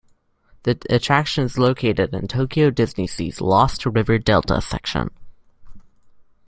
The attraction is located in Tokyo DisneySea's Lost River Delta section.